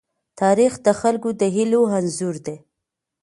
تاریخ د خلکو د هيلو انځور دی.